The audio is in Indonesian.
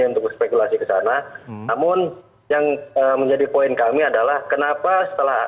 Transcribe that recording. untuk berspekulasi ke sana namun yang menjadi poin kami adalah kenapa setelah